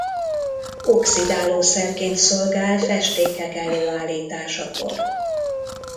Oxidálószerként szolgál festékek előállításakor.